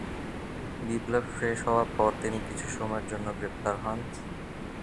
বিপ্লব শেষ হওয়ার পর তিনি কিছু সময়ের জন্য গ্রেফতার হন।